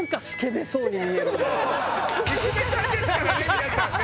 娘さんですからね皆さんね！